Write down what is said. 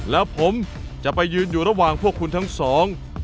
แล้วผมจะไปยืนอยู่ระหว่างพวกคุณทั้งสอง